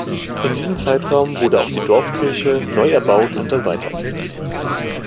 In diesem Zeitraum wurde auch die Dorfkirche neu erbaut und erweitert.